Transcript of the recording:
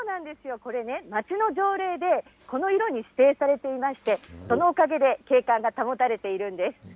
これね、町の条例で、この色に指定されていまして、そのおかげで景観が保たれているんです。